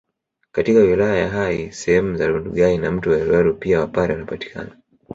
Katika wilaya ya Hai sehemu za Rundugai na mto Weruweru pia wapare wanapatikana